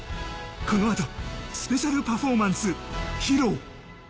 この後、スペシャルパフォーマンス披露。